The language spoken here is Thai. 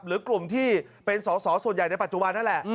หรือกลุ่มที่เป็นสอสอส่วนใหญ่ในปัจจุบันนั่นแหละ